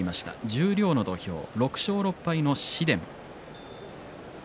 十両の土俵、６勝６敗の紫雷。